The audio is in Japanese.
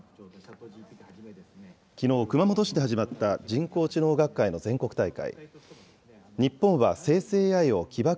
きのう、熊本市で始まった人工知能学会の全国大会。